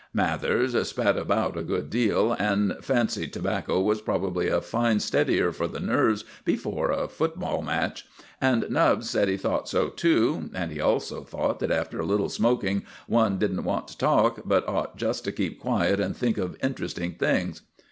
Mathers spat about a good deal, and fancied tobacco was probably a fine steadier for the nerves before a football match; and Nubbs said he thought so too; and he also thought that after a little smoking one didn't want to talk, but ought just to keep quiet and think of interesting things.